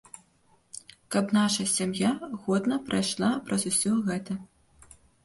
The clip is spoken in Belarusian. Каб наша сям'я годна прайшла праз усё гэта.